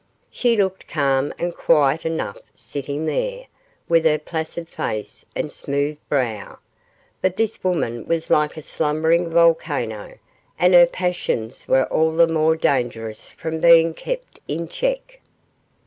She looked calm and quiet enough sitting there with her placid face and smooth brow; but this woman was like a slumbering volcano, and her passions were all the more dangerous from being kept in check.